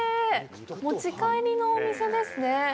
持ち帰りのお店ですね。